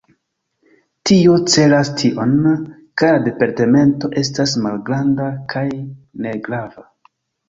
Tio celas tion, ka la departemento estas malgranda kaj negrava.